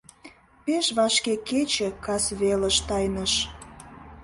Пеш вашке кече кас велыш тайныш.